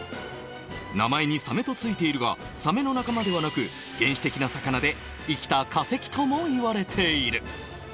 名前にサメと付いているが、サメの仲間ではなく、原始的な魚で、生きた化石ともいわれている。